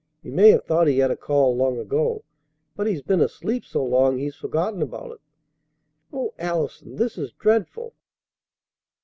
He may have thought he had a call long ago, but he's been asleep so long he's forgotten about it." "O Allison! This is dreadful!"